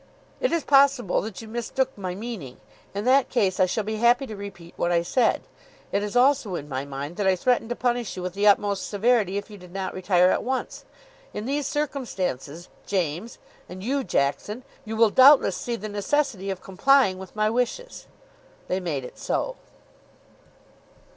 It is possible that you mistook my meaning. In that case I shall be happy to repeat what I said. It is also in my mind that I threatened to punish you with the utmost severity if you did not retire at once. In these circumstances, James and you, Jackson you will doubtless see the necessity of complying with my wishes." They made it so.